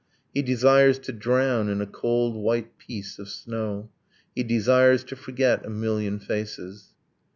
He desires to drown in a cold white peace of snow. He desires to forget a million faces